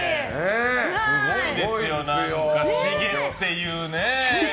すごいですよ、何かシゲっていうね。